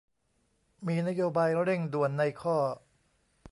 มีนโยบายเร่งด่วนในข้อ